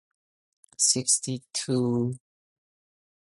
The image above shows the main branch of the family.